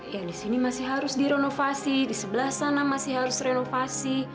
yang di sini masih harus direnovasi di sebelah sana masih harus renovasi